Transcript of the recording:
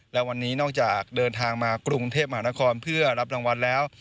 และวันนี้นอกจากเดินทางมากรุงเทพมหานครเพื่อรับรางวัลแล้ว